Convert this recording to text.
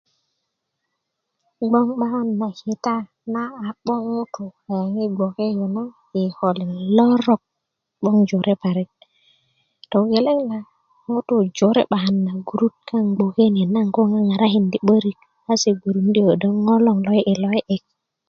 gboŋ 'bakan na kita na a 'bo' ŋutuu kaaŋ yi gboke ni na yi kikolin lorok 'boŋ jore parik togeleŋ na ŋutuu jore 'bakan na gurut kaaŋ gnoke ni naŋ koo ŋarakindi 'börik a se gbörundi' ködö ŋo' looŋ lo'yi'yik lo'yilo'yik